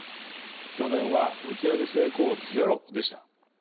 去年は打ち上げ成功ゼロでした。